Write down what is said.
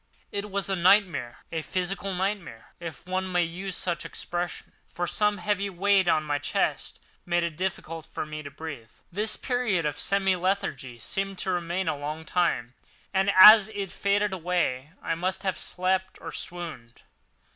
It was as a nightmare—a physical nightmare, if one may use such an expression; for some heavy weight on my chest made it difficult for me to breathe. This period of semi lethargy seemed to remain a long time, and as it faded away I must have slept or swooned.